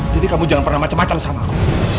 jadi kamu jangan pernah macem macem sama aku